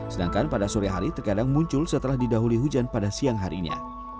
sedangkan pada sore hari terkadang muncul setelah didahuli hujan pada siang harinya